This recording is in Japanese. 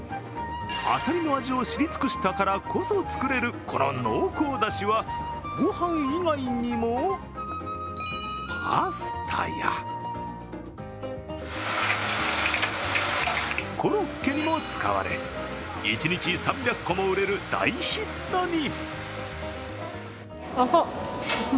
あさりの味を知り尽くしたからこそ作れるこの濃厚だしはご飯以外にも、パスタや、コロッケにも使われ、一日３００個も売れる大ヒットに。